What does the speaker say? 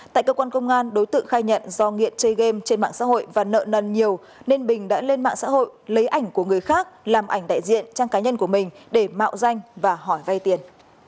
tại cơ quan công an đối tượng khai nhận do nghiện chơi game trên mạng xã hội và nợ nần nhiều nên bình đã lên mạng xã hội lấy ảnh của người khác làm ảnh đại diện trang cá nhân của mình để mạo danh và hỏi vay tiền